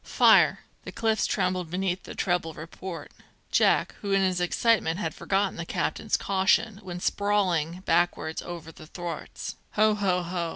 "Fire!" The cliffs trembled beneath the treble report. Jack, who in his excitement had forgotten the captain's caution, went sprawling backwards over the thwarts. "Ho, ho, ho!